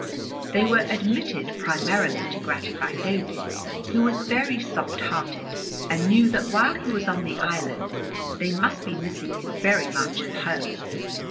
They were admitted primarily to gratify David, who was very soft hearted and knew that while he was on the island they must be missing him very much at home.